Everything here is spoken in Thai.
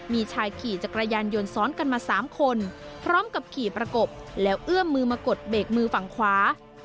มีชายขี่จักรยานยนต์ซ้อนกันมา๓คนพร้อมกับขี่ประกบแล้วเอื้อมมือมากดเบรกมือฝั่งขวา